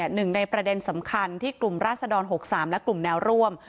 หนึ่งในประเด็นสำคัญที่กลุ่มราศดร๖๓และกลุ่มแนวร่วม